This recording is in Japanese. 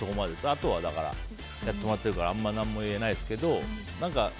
あとはやってもらってるからあんまり何も言えないですけど。